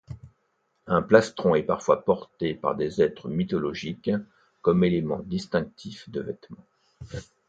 Un plastron est parfois porté par des êtres mythologiques comme élément distinctif de vêtements.